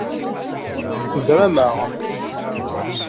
Tebram-aɣ.